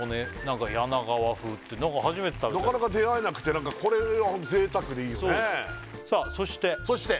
柳川風ってなんか初めて食べたよなかなか出会えなくてこれは贅沢でいいよねさあ